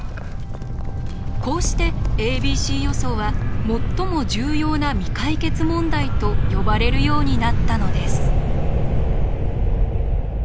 こうしてａｂｃ予想は最も重要な未解決問題と呼ばれるようになったのです。